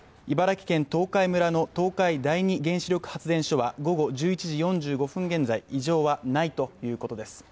茨城県東海村の東海第２原子力発電所は、午後１１時４５分現在、異常はないということです。